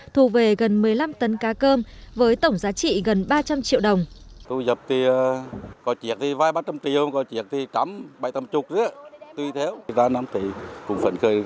thu về gần một mươi năm tấn cá cơm với tổng giá trị gần ba trăm linh triệu đồng